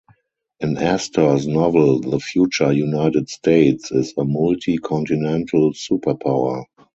In Astor's novel, the future United States is a multi-continental superpower.